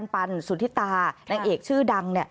ปันสุธิตานางเอกชื่อดัง